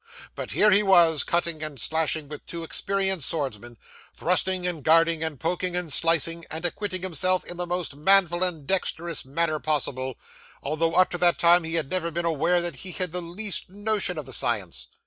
But here he was, cutting and slashing with two experienced swordsman, thrusting, and guarding, and poking, and slicing, and acquitting himself in the most manful and dexterous manner possible, although up to that time he had never been aware that he had the least notion of the science.